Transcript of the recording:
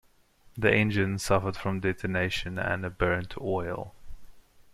The engine suffered from detonation and burnt oil.